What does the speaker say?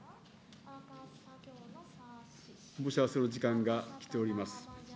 申し合わせの時間が来ております。